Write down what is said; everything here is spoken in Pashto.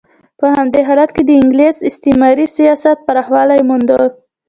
په همدې حالت کې د انګلیس استعماري سیاست پراخوالی مونده.